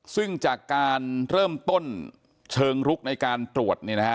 ซึ่งจากการเริ่มต้นเชิงลุกในการตรวจ